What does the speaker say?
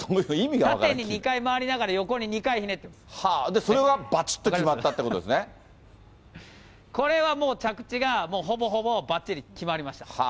縦に２回回りながら、横に２それがばちっと決まったってこれはもう、着地がもう、ほぼほぼばっちり決まりました。